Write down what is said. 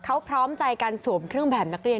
เขาพร้อมใจการสวมเครื่องแบบนักเรียน